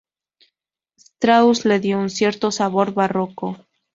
Strauss le dio un cierto sabor barroco.